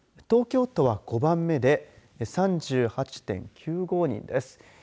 東京都は５番目で３８．９５人です。